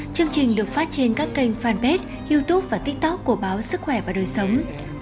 chương trình được phát trên các kênh fanpage youtube và tiktok của báo sức khỏe và đời sống